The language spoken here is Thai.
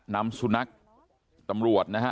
นำสุนัขตำรวจนะฮะ